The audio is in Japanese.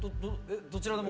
どちらでも。